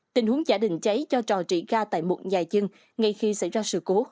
tình huống giả định cháy cho trò trị ga tại một nhà dân ngay khi xảy ra sự cố